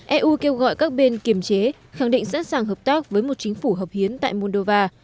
eu kêu gọi các bên kiềm chế khẳng định sẵn sàng hợp tác với một chính phủ hợp hiến tại moldova